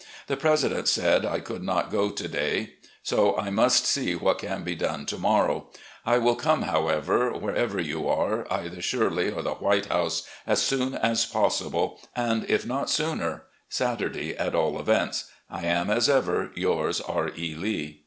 The Presi dent said I could not go to day, so I must see what can be done to morrow. I will come, however, wherever you are, either Shirley or the White House, as soon as pos 54 RECOLLECTIONS OF GENERAL LEE sible, and if not sooner, Saturday at all events. ... I am, as ever. Yours, "R. E. Lee."